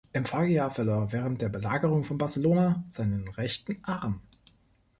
Im Folgejahr verlor er während der Belagerung von Barcelona seinen rechten Arm.